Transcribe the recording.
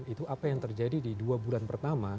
itu apa yang terjadi di dua bulan pertama